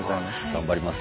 頑張ります